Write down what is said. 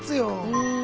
うん。